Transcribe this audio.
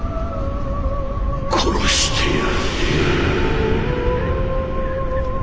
殺してやる！